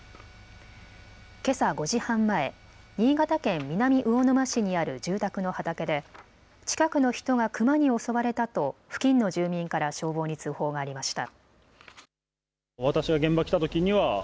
けさ５時半前、新潟県南魚沼市にある住宅の畑で近くの人がクマに襲われたと付近の住民から消防に通報がありました。